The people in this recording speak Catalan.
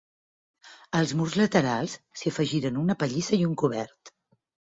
Als murs laterals s'hi afegiren una pallissa i un cobert.